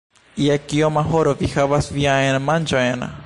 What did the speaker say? Je kioma horo vi havas viajn manĝojn?